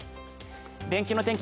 連休の天気